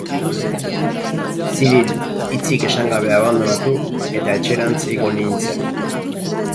Cyril hitzik esan gabe abandonatu, eta etxerantz igo nintzen.